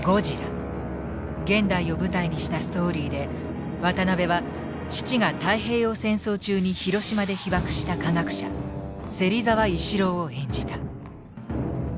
現代を舞台にしたストーリーで渡辺は父が太平洋戦争中に広島で被爆した科学者芹沢猪四郎を演じた。